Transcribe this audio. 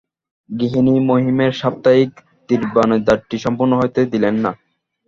গৃহিণী মহিমের সাপ্তাহিক দিবানিদ্রাটি সম্পূর্ণ হইতে দিলেন না।